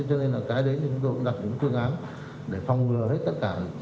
cho nên là cái đấy chúng tôi cũng đặt những phương án để phòng ngừa hết tất cả